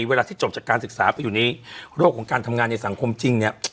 เวลาที่จบจากการศึกษาไปอยู่ในโลกของการทำงานในสังคมจริงเนี่ย